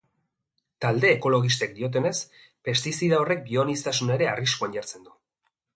Talde ekologistek diotenez, pestizida horrek bioaniztasuna ere arriskuan jartzen du.